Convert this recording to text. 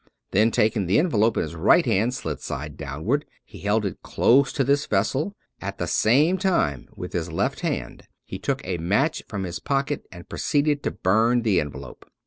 Then taking the envelope in his right hand, slit side downward, he held it close to this vessel; at the same time with his left hand he took a match from his pocket and proceeded to burn the envelope.